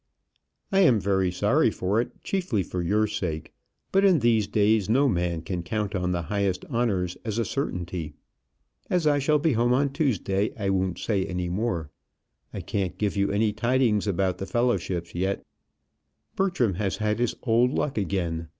I am very sorry for it, chiefly for your sake; but in these days no man can count on the highest honours as a certainty. As I shall be home on Tuesday, I won't say any more. I can't give you any tidings about the fellowships yet. Bertram has had his old luck again.